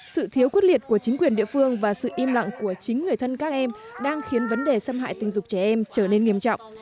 sự thiếu quyết liệt của chính quyền địa phương và sự im lặng của chính người thân các em đang khiến vấn đề xâm hại tình dục trẻ em trở nên nghiêm trọng